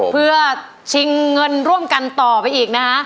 เพื่อชิงเงินร่วมกันต่อไปอีกนะคะ